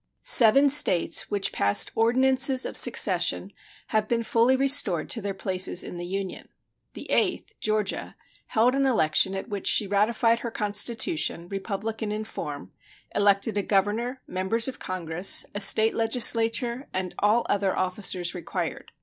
Seven States which passed ordinances of secession have been fully restored to their places in the Union. The eighth (Georgia) held an election at which she ratified her constitution, republican in form, elected a governor, Members of Congress, a State legislature, and all other officers required.